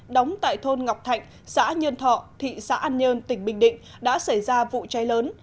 đóng tại thôn ngọc thạnh xã nhân thọ thị xã an nhơn tỉnh bình định đã xảy ra vụ cháy lớn